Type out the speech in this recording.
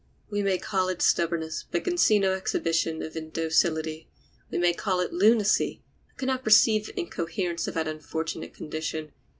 We may call it stubborness, but can see no exhibition of indocility. We may call it lunacy, but can not perceive the incoherence of that unfortunate condition.